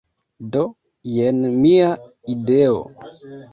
Do, jen mia ideo!